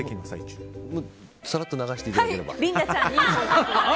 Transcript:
さらっと流していただければ。